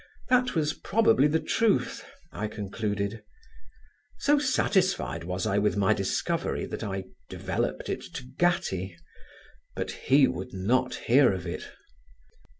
That was probably the truth, I concluded. So satisfied was I with my discovery that I developed it to Gattie; but he would not hear of it.